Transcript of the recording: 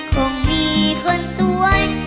คงมีคนสวย